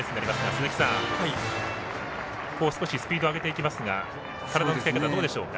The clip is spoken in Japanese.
鈴木さん、少しスピード上げていきますが体の使い方どうでしょうか？